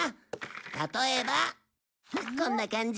例えばこんな感じ？